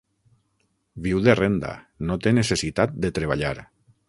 Viu de renda: no té necessitat de treballar.